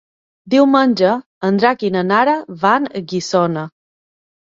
Diumenge en Drac i na Nara van a Guissona.